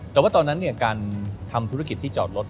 แต่ว่าตอนนั้นการทำธุรกิจที่จอดรถ